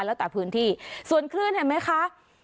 แล้วแต่พื้นที่ส่วนคลื่นเห็นไหมคะ